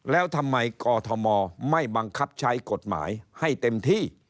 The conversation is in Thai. แล้วทำไมกอทมไม่บังคับใช้กฎหมายให้เต็มที่